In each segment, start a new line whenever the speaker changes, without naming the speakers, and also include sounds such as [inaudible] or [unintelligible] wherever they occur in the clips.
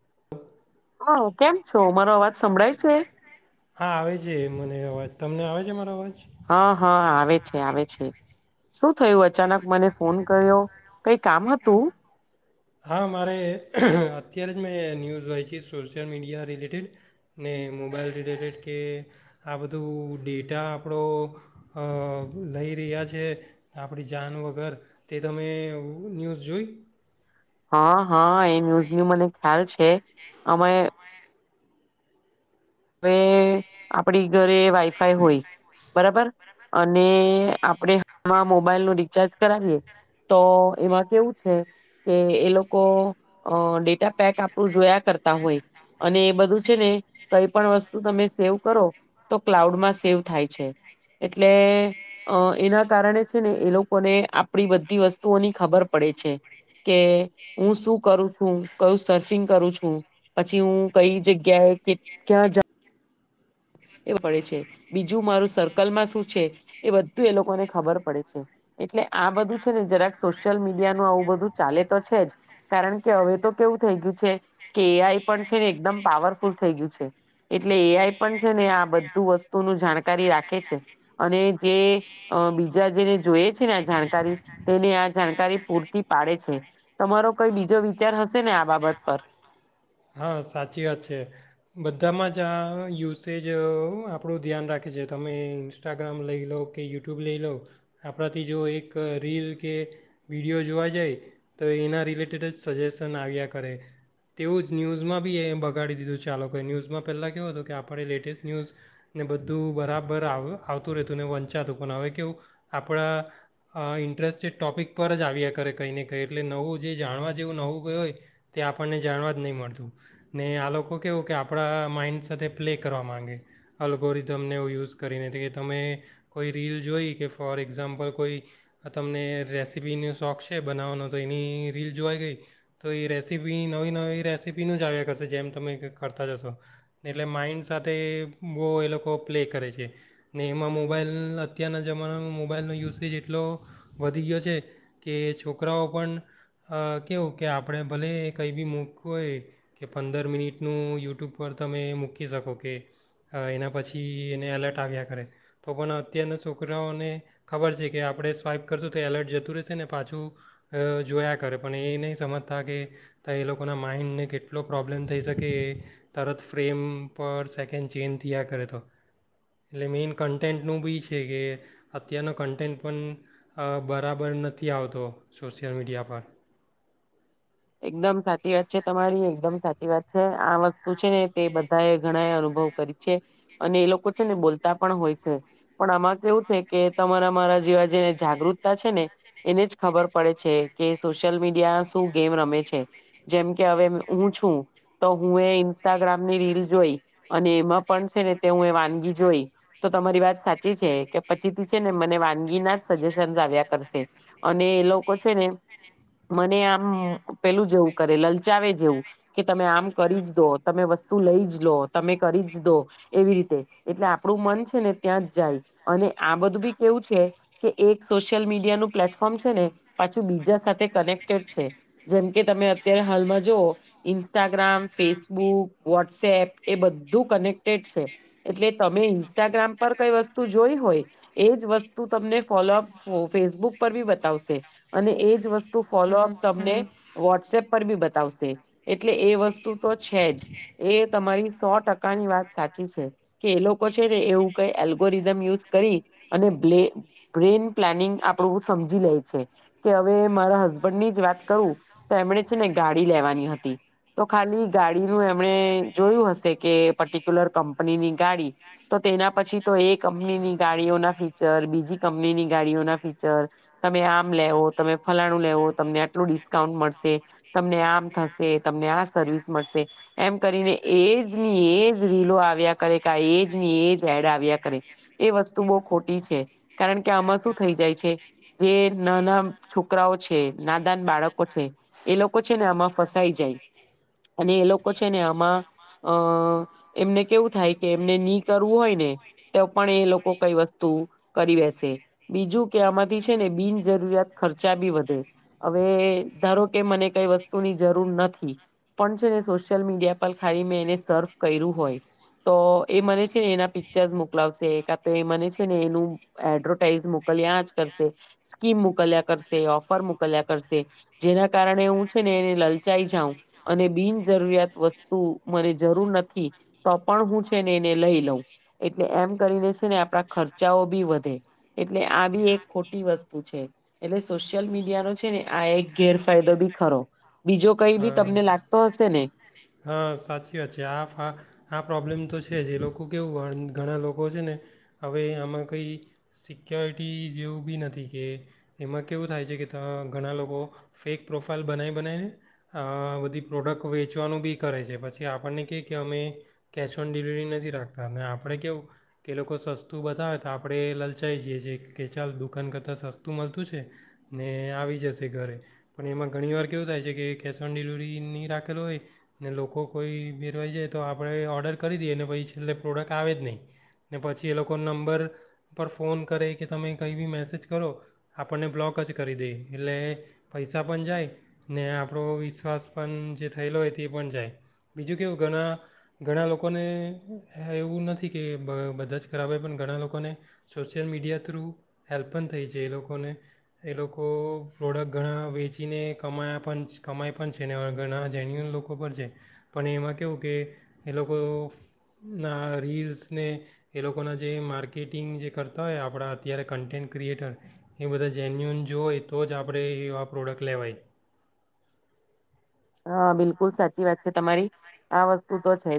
[unintelligible]
હા, કેમ છો? મારો અવાજ સંભળાય છે?
હા, આવે છે મને અવાજ. તમને આવે છે મારો અવાજ?
હા, હા, આવે છે, આવે છે. શું થયું અચાનક મને ફોન કર્યો? કઈ કામ હતું
હા, મારે અત્યારે જ મેં ન્યૂઝ વાયચી સોશિયલ મીડિયા રિલેટેડ ને મોબાઈલ રિલેટેડ કે આ બધું ડેટા આપળો અ લઈ રહ્યા છે. આપળી જાન વગર તે તમે ન્યુઝ જોઈ?
હા, હા, એ ન્યૂઝની મને ખ્યાલ છે. અમે હવે આપડી ઘરે વાઈફાઈ હોય બરાબર અને આપળે હમણા મોબાઈલનું રિચાર્જ કરાવીએ તો એમાં કેવું છે કે, એ લોકો અ ડેટા પેક આપણું જોયા કરતા હોય અને એ બધું છે ને કઈ પણ વસ્તુ તમે સેવ કરો તો ક્લાઉડમાં સેવ થાય છે. એટલે અ એના કારણે છે ને એ લોકોને આપડી બધી વસ્તુઓની ખબર પડે છે કે હું શું કરું છું કયું સર્ફિંગ કરું છું. પછી હું કઈ જગ્યાએ કે ક્યા જા એવું પડે છે. બીજું મારું સર્કલમાં શું છે, એ બધું એ લોકોને ખબર પડે છે. એટલે આ બધું છે ને જરાક સોશિયલ મીડિયાનું આવું બધું ચાલે તો છે જ. કારણ કે, હવે તો કેવું થઈ ગ્યું છે કે, એ આઈ પણ છે ને એકદમ પાવરફુલ થઈ ગ્યું છે. એટલે એ આઈ પણ છે ને આ બધું વસ્તુનું જાણકારી રાખે છે અને જે અ બીજા જેને જોયે છે ને આ જાણકારી તેને આ જાણકારી પૂરતી પાડે છે. તમારો કઈ બીજો વિચાર હશે ને આ બાબત પર?
હા સાચી વાત છે બધામાં જ યુસેજ આપણું ધ્યાન રાખે છે. તમે ઇન્સ્ટાગ્રામ લઈ લો કે યુટ્યુબ લઈ લો આપણાથી જો એક રીલ કે વિડીયો જોવા જાય તો એના રિલેટેડ જ સજેશન આવ્યા કરે. તેવું જ ન્યૂઝમાં બી એ બગાડી દીધું છે આ લોકો એ. ન્યૂઝમાં પેલાં કેવું હતુ કે આપણે લેટેસ્ટ ન્યૂઝ ને બધું બરાબર આવ આવતું રેતું ને વંચાતું પણ. હવે કેવું આપણા અ ઇન્ટરેસ્ટેડ ટોપિક પર જ આવ્યા કરે કંઈ ને કંઈ. એટલે નવું જે જાણવા જેવું નવું કય હોય તે આપણને જાણવા નય મળતું ને આ લોકો કેવું કે આપણા માઈન્ડ સાથે પ્લે કરવા માંગે અલગોરિધમ ને એવુ યુઝ કરીને તે કે તમે કોઈ રીલ જોઈ કે ફોર એક્ઝામ્પલ કોઈ તમને રેસીપીનો શોખ છે બનાવાનો. તો એની રીલ જોવાઈ ગઈ તો એ રેસીપી નવી નવી રેસીપીનું જ આવ્યા કરશે. જેમ તમે ક કરતા જશો એટલે માઇન્ડ સાથે બોવ એ લોકો પ્લે કરે છે ને એમાં મોબાઈલ અત્યારના જમાનામાં મોબાઈલનો યુસેજ એટલો વધી ગ્યો છે કે, છોકરાઓ પણ અ કેવું કે આપણે ભલે કઈ બી મૂક વું હોય કે પંદર મિનિટનું યુટ્યુબ પર તમે મૂકી શકો કે અ એના પછી એને એલર્ટ આવ્યા કરે. તો પણ અત્યારના છોકરાઓને ખબર છે કે આપણે સ્વાઈપ કરશું તો એલર્ટ જતું રહેશે ને પાછું અ જોયા કરે. પણ એ નહીં સમજતા કે તા એ લો કોના માઇન્ડને કેટલો પ્રોબ્લેમ થઈ શકે એ તરત ફ્રેમ પર સેકેન્ડ ચેન્જ થેયા કરે તો. એટલે મેઇન કન્ટેન્ટનું બી છે કે, અત્યારનો કન્ટેન્ટ પન અ બરાબર નથી આવતો સોશિયલ મીડિયા પર.
એકદમ સાચી વાત છે તમારી. એકદમ સાચી વાત છે. આ વસ્તુ છે ને તે બધા એ ઘણા એ અનુભવ કરી છે અને એ લોકો છે ને બોલતા પણ હોય છે. પણ આમાં કેવું છે કે, તમારા મારા જેવા જેને જાગૃતતા છે ને એને જ ખબર પડે છે કે સોશિયલ મીડિયા શું ગેમ રમે છે. જેમ કે હવે હું છું, તો હું એ ઇન્સ્ટાગ્રામની રીલ જોઈ અને એમાં પણ છે ને તે હું એ વાનગી જોઈ તો તમારી વાત સાચી છે કે પછીથી છે ને મને વાનગી ના જ સજેશન્સ આવ્યા કરશે અને એ લોકો છે ને મને આ અમ્મ પેલું જેવું કરે, લલચાવે જેવું કે, તમે આમ કરી જ દો, તમે વસ્તુ લઈ જ લો, તમે કરી જ દો એવી રીતે. એટલે આપડું મન છે ને ત્યાં જ જાય અને આ બધું બી કેવું છે કે, એક સોશિયલ મીડિયા નું પ્લેટફોર્મ છે ને પાછું બીજા સાથે કનેક્ટેડ જેમકે તમે અત્યારે હાલમાં જોવો ઇન્સ્ટાગ્રામ, ફેસબુક, વોટસએપ એ બ ધૂ કનેક્ટેડ છે. એટલે તમે ઇન્સ્ટાગ્રામ પર કઈ વસ્તુ જોઈ હોય એજ વસ્તુ તમને ફોલોઅપ ફો ફેસબુક પર બી બતાવશે અને એજ વસ્તુ ફોલોઅપ મને વોટ્સએપ પ ર બી બતાવસે એટલે એ વસ્તુ તો છે જ. એ તમારી સો ટ કાની વાત સાચી છે કે એ લોકો છે ને એવું કઈ એલ્ગોરિધમ યુઝ કરી અને બ્લે બ્રેન પ્લાનિંગ આપણું સમજી લેય છે કે હવે મારા હસબન્ડની જ વાત કરુ. તો એમણે છે ને ગાડી લેવાની હતી. તો ખાલી ગાડીનું એમણે જોયું હશે કે એ પર્ટિક્યુલર કંપનીની ગાડી. તો તેના પછી તો એ કંપનીની ગાડીઓના ફીચર, બીજી કંપનીની ગાડીઓના ફીચર, તમે આમ લેવો તમે ફલાણું લેવો તમને ડિસ્કાઉન્ટ મળસે, તમને આમ થશે, તમને આ સર્વિસ મળશે. એમ કરીને એજ ની એ રીલો આવ્યા કરે કે એજ ની એજ એડ આવ્યા કરે એ વસ્તુ બહ ખોટી છે કારણ કે આમાં શું થઈ જાય છે જે નાના છોકરાઓ છે ના બાળકો છે એ લોકો છે ને આમાં ફસાઈ જાય અને એ લોકો છે ને આમાં એમને કેવું થાય કે એમને નહી કરવું હોય ને તો પણ એ લોકો કઈ વસ્તુ કરી વેસે બીજું કે આમાંથી છે ને બિનજરૂરિયાત ખર્ચા બી વધે હવે ધારો કે મને કઈ વસ્તુની જરૂર નથી પણ છે ને સોશિયલ મીડિયા પર ખાલી મે એને સર્ હોય તો એ મને છે ને એના પિક્ચર મોકલાશે ક એ મને છે ને એનું એડવર્ટાઈઝ મોકલ્યા જ કર સ્કીમ મોકલ્યા કરશે કર જેના કારણે હું છે ને એને લલચાઈ જાઉં અને બિનજરૂરિયાત વસ્તુ મને ર નથી તો પણ હું છે ને એને લઈ લઉ એટલે એમ કરીને ને આપણા ખર્ચાઓ બી વધે એટલે આ બી એક ખોટી વસ્તુ છે એટલે સ મીડિયાો ને આ એક ગેરફાયદો બી ખરો બીજો કઈ
અ,
બી તમને લાગતો હશે ને
હા સાચી વાત છે આ ફા આ પ્રોબ્લેમ તો છે જે લોકો કેવું ઘણા લોકો છે ને હવે આમાં કંઈ સિક્યોરિટી જેવું બી નથી કે એમાં કેવું થાય છે કે ઘણા લોકો ફેક પ્રોફાઇલ બનાવી બનાવીને બધી પ્રોડક્ટ વેચવાનું બી કરે છે પછી આપણને કહે કે અમે કેશ ઓન ડિલિવરી નથી રાખતા અને આપણે કવું કે લોકો સસ્તું બતાવે તો આપણે લલચાઈ જઈએ છીએ કે ચાલ દુકાન કરતાં સસ્તું મળતું છે ને આવી જશે ઘરે પણ એમાં ઘણી વાર કેવું થાય છે કે કેશ ઓન ડિલિવરી નહીં રાખેલો હોય ને લોકો કોઈ બેેરવાઈ જાય તો આપણે ઓર્ડર કરી દઈએ ને પછી છેલ્લે પ્રોડક્ટ આવે જ નહીં ને પછી એ લોકો નંબર પર ફોન કરે કે તમે કંઈ બી મેસેજ કરો આપણને બ્લોક લોકોક જ કરી દે એટલે પૈસા પણ જાય ને આપણો વિશ્વાસ પણ જે થયેલો હોય તે પણ જાય બીજું કેવું ઘણા ઘણા લોકોને એવું નથી કે બધા જ ખરાબ હોય પણ ઘણા લોકોને સોશિયલ મીડિયા થ્રુ હેલ્પ પણ થઈ છે એ લોકોને એ લોકો પ્રોડક્ટ ઘણા વેચીને કમાયા પણ કમાઈ પણ છે ને ઘણા જેન્યુઅન લોકો પણ છે પણ એમાં કેવું કે એ લોકોના રીલ્સને એ લોકોના જે માર્કેટિંગ જે કરતા હોય આપણા અત્યારે કન્ટેન્ટ ક્રિએટર એ બધા જેન્યુન જોએ તો જ આપણે એ આ પ્રોડક્ટ લેવાય
હા બિલકુલ સાચી વાત છે તમારી આ વસ્તુ તો છે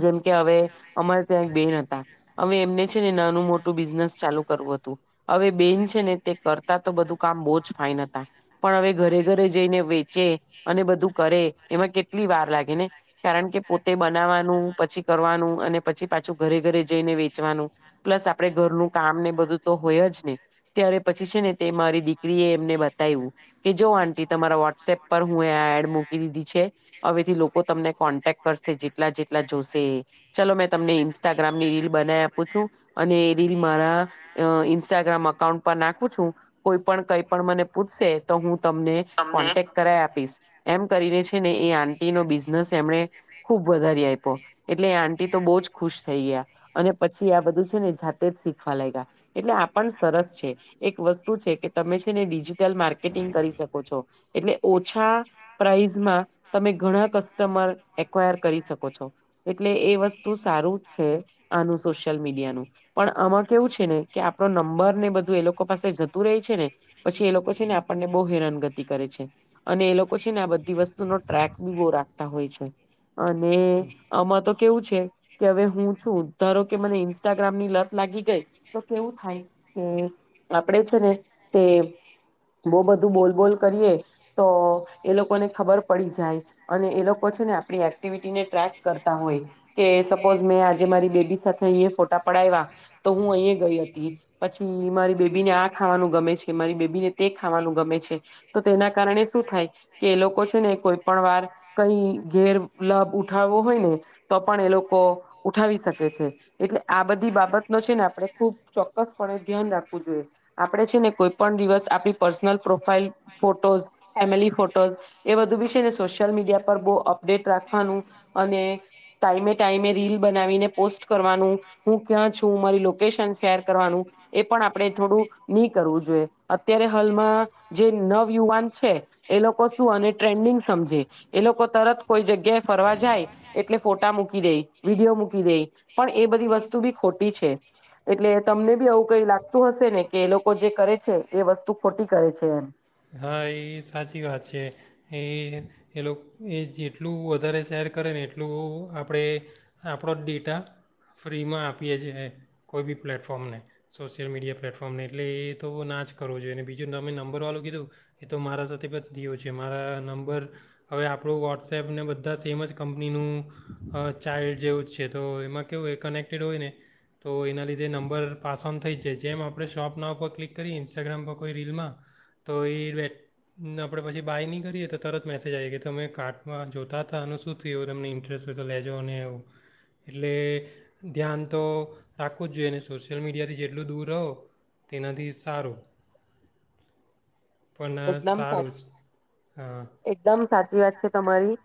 જ જેમ કે હવે અમારે ત્યાં એક બેન હતા હવે એમને છે ને નાનું મોટું બિઝનેસ ચાલુ કરવું હતું હવે બેન છે ને તે કરતા તો બધું કામ બહુ જ ફાાઈન હતા પણ હવે ઘરે ઘરે જઈને વેચે અને બધું કરે એમાં કેટલી વાર લાગે ને કારણ કે પોતે બનાવવાનું પછી કરવાનું અને પછી પાછું ઘરે ઘરે જઈને વેચવાનું પ્લસ આપડ ઘરનું કામ ને બધું તો હોય જ ને ત્યારે પછી છે ને તે મારી દીકરી એ એમને બતાવ્યું કે જો આંટી તમારા વોટ્સએપ પર હ આ એડ મકી દીધી છે હવેથી લોકો તમને કોન્ટેક કરશે જેટલા જેટલા જોશે ચલો મેં તમને ઇન્સ્ટાગ્રામની રીલ બનાવી આપું છું અને એ રીલ મારા ઇન્સ્ટાગ્રામ અકાઉન્ટ પર નાખું છું કોઈ પણ કઈ પણ મને પૂછશે તો હું તમને કોન્ટેક્ટ કર એમ કરીને છે ને એ આટી નો બિઝનેસ એમને ખુબ વધારી આપ્યો એટલે આંટી તો બહ જ ખુશ થઈ ગયા અને પછી આ બધું છે ને જાતે જ શીખવા લાગ્યા એટલે આણ સરસ છે એક વસ્તુ છે કે તમે છે ને ડિજિટલ માર્કેટિંગ કરી શકો છો એટલે ઓછ છા પ્રસમાં તમે ઘણા કસ્ટમર એકયર કરી શકો છો એટલે એ વસ્તુ સારું છે આનું સોશયલ મીડિયાનું પણ આમાં કેવું છે ને કે આપ નંબર ને બધું એ લોકો પાસે જતું રહી છે ને પછી એ લોકો છે ને આપણને બહુ હેરાનગતિ કરે છે અને એ લોકો છે ને આ બધી વસ્તુનો ટ્રેક બી બહુ રાખતા હોય છે અને આમાં તો કેવું છે કે હવે હું છું ધારો કે મને ઇન્સ્ટાગ્રામ ની લત લાગી ગઈ તો કેવું થાય હમ આપડે છે ને તે બહ બધું બોલ બોલ કરીએ તો એ લોકોને ખબર પડી જાય અને એ લોકો છે ને આપણી એક્ટિવિટીને ટ્રેક કરતા હોય કે સપોઝ મેં આજે મારી બેબી સાથે અહીયા ફોટા પડાવ્યા તો હું અહીંયા ગઈ હતી પછી મારી બેબીને આ ખાવાનું ગમે છે મારી બેબીને તે ખાવાનું ગમે છે તો તેના થાય કે એ લોકો છે ને કોઈ પણ વાર કઈ ઘેર લભ ઉઠાવવો હોય ને તો પણ એ લોકો ઉઠાવી શકે છે એટલે આ ભારત ન છેને આપણે ખબ ચોક્કસણે ધ્યાન રાખવું જોઈએ આપણે છે ને કોઈ પણ દિવસ આપણી પર્સનલ પ્રોફાઈલ ફોટોઝ ફોટો એ બધ બી છે ને સોશિયલ મીડિયા પર બ અપડેટ રાખવાનું અને ટાઈમે ટાઈમે રીલ બનાવીને પોસ્ટ કરવાનું હું ક્યા છું મારીકેશન શેર કરવાનું એ પણ આપણે થોડું નહી કરવું જોઈએ અત્યારે હાલમાં જે નવયુવાન એ લોકો શું અને ટ્રેન્ડિંગ સમજે એ લોકો તરત કોઈ જગ્યાએ ફરવા જાય એટલે ફોટા મૂકી દે વિડીયો મૂકી દે પણ એ બધી વસ્તુ ખોટી છે એટલે તમને બી આવવું કઈ લાગતું હશે ને કે એ લોકો જે કરે છે એ વસ્તુ ખોટી કરે છે એમ
હા એ સાચી વાત છે એ એ લોકો એ જેટલું વધારે શેર કરેને એટલું આપણે આપણો ડેટા ફ ફ્રીમાં આપીએ છ છેએ કોઈ બી પ્લેટફોર્મને સોશિયલ મીડિયા પ્લેટફોર્મને એટલે એ તો ના જ કરવો જોઈએ અને બીજું તમે નંબરવાળું કીધું એ તો મારા સાથે પણ થયો છે મારા નંબર હવે આપણું વોટ્સએપને બધા સેમ જ કંપનીનું ચાઇલ્ડ જેવું જ છે તો એમાં કેવું એ કનેક્ટ ડ હોય ને તો એના લીધે નંબર પાસ ઓન થઈ જ જાય, જેમ આપણે શોપ નાવ પર ક્લિક કરીએ ઇન્સ્ટાગ્રામ પર કોઈ રીલમાં તો એ આપણે પછી બાય નહીં કરીએ તો તરત મેસેજ આવી કે, તમે કાર્ટમાં જોતા હતા અનેનું શું થયું તમને ઇન્ટરેસ્ટ હોય તો લેજો અને એવું એટલે ધ્યાન તો રાખવું જ જોઈએ અને સોશિયલ મીડિયાથી જેટલું દૂર રહો તેનાથી સારું પણ અ,
એકદમ
સારું જ
સાચી
હા
એકદમ સાચ વાત છે તમારી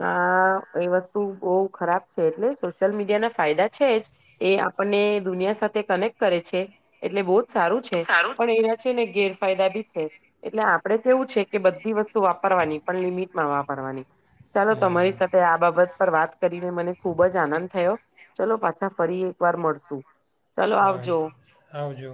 આ એ વસ્તુ બહુ ખરાબ છે એટલે સોશિયલ મીડિયા ના ફાયદા છે જ એ આપણને દુનિયા સાથે કનેક્ટ કરે છે એટલે બહુ જ સારું છે પણ એના છે ને ગેરફાયદા બી છે. એટલે આપડે કેવું છે કે બધી વસ્તુ વાપરવાની પણ લિમિટમાં વાપર પરવાની ચાલો તમારી
હા
સાથે આ બાબત પર વાત કરીને મને ખુબ જ આનંદ થયો ચલો પાછા ફરી એક વાર મળશું. ચલો
હા
આવજો
આવજો.